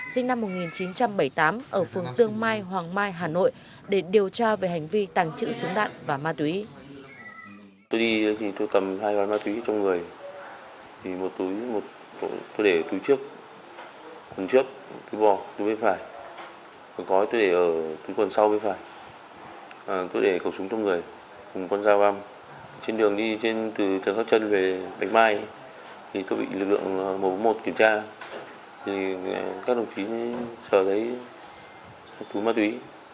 sinh năm một nghìn chín trăm bảy mươi tám ở phường tương mai hoàng mai hà nội để điều tra về hành vi tàng trự súng đạn và ma túy